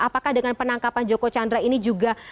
apakah dengan penangkapan joko chandra ini juga